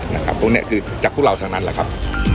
นะครับตรงนี้คือจากทุกเราทางนั้นแหละครับ